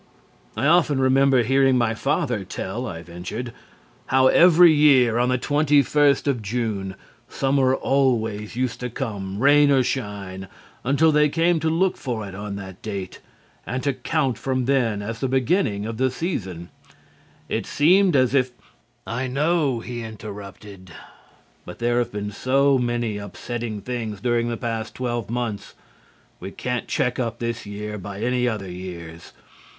"I often remember hearing my father tell," I ventured, "how every year on the 21st of June summer always used to come, rain or shine, until they came to look for it on that date, and to count from then as the beginning of the season. It seems as if" "I know," he interrupted, "but there have been so many upsetting things during the past twelve months. We can't check up this year by any other years.